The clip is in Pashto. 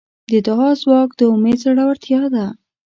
د دعا ځواک د امید زړورتیا ده.